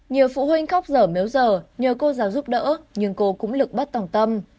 nhiều phụ huynh khóc dở méo dở nhờ cô giáo giúp đỡ nhưng cô cũng lực bắt tòng tâm